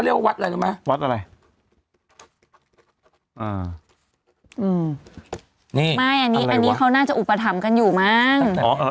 เรียกว่าวัดอะไรอยู่มั้ยอะไรอาได้อันนี้เขาน่าจะอูปธรรมกันอยู่มั้ง